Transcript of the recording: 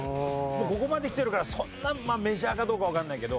ここまで来てるからそんなメジャーかどうかわかんないけど。